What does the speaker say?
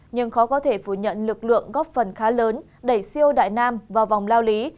nhưng khó có thể phủ nhận lực lượng góp phần khá lớn đẩy siêu đại nam vào vòng lao lý